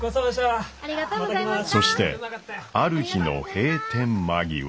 そしてある日の閉店間際。